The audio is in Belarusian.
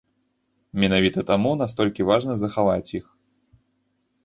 Менавіта таму настолькі важна захаваць іх.